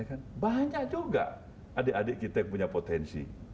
kan banyak juga adik adik kita yang punya potensi